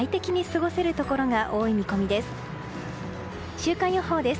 週間予報です。